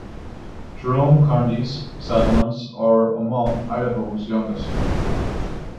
Jerome county's settlements are among Idaho's youngest.